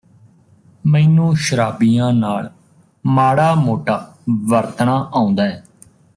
ਮੈਨੂੰ ਸ਼ਰਾਬੀਆਂ ਨਾਲ ਮਾੜਾ ਮੋਟਾ ਵਰਤਣਾ ਆਉਂਦੈ